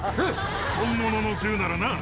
本物の銃ならな。